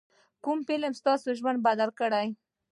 کوم فلم ستا ژوند بدل کړ.